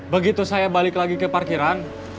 begitu saya balik lagi ke parkiran